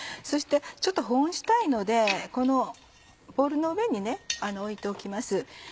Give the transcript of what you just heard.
そしてちょっと保温したいのでこのボウルの上に置いておきます。